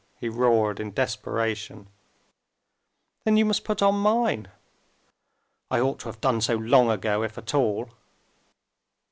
he roared in desperation. "Then you must put on mine." "I ought to have done so long ago, if at all."